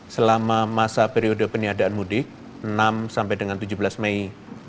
selama masa periode peniadaan mudik enam tujuh belas mei dua ribu dua puluh satu